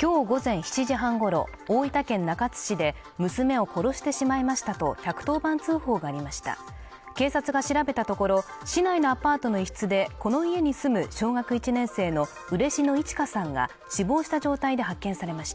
今日午前７時半ごろ大分県中津市で娘を殺してしまいましたと１１０番通報がありました警察が調べたところ市内のアパートの一室でこの家に住む小学１年生の嬉野いち花さんが死亡した状態で発見されました